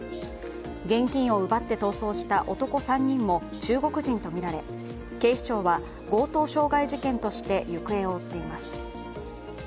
現金を奪って逃走した男３人も中国人とみられ、警視庁は強盗傷害事件として行方を追っています。